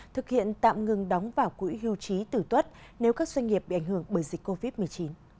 thực hiện tạm ngừng đóng vào quỹ hưu trí tử tuất nếu các doanh nghiệp bị ảnh hưởng bởi dịch covid một mươi chín